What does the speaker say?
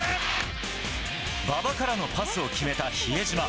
バスケッ馬場からのパスを決めた比江島。